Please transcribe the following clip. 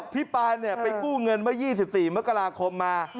ปานไปกู้เงินเมื่อ๒๔มกราคมมา